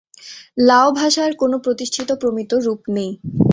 লাও ভাষার কোন প্রতিষ্ঠিত প্রমিত রূপ নেই।